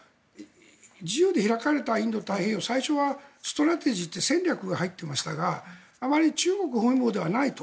自由で開かれたインド太平洋最初はストラテジーって戦略が入ってましたがあまり中国包囲網ではないと。